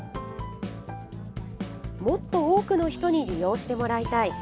もっと多くの人に利用してもらいたい。